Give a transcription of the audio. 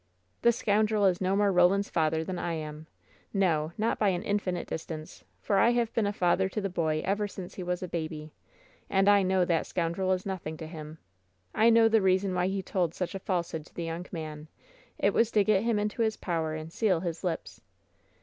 "The scoundrel is no more Roland's father than I am! No, not by an infinite distance, for I have been a father to the boy ever since he was a baby. And I know that scoundrel is nothing to him! I know the reason why he told such a falsehood to the young man. It was to get him into his power and seal his lips!